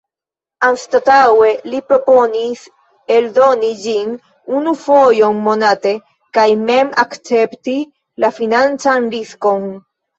Anstataŭe li proponis eldoni ĝin unu fojon monate, kaj mem akcepti la financan riskon.